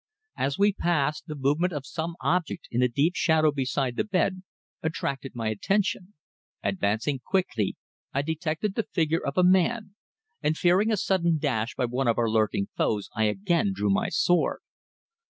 As we passed, the movement of some object in the deep shadow beside the bed attracted my attention. Advancing quickly I detected the figure of a man, and, fearing a sudden dash by one of our lurking foes, I again drew my sword.